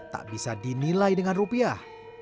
tak bisa dinilai dengan rupiah